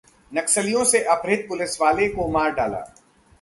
नक्सलियों ने अपहृत पुलिसवाले को मार डाला